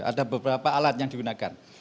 ada beberapa alat yang digunakan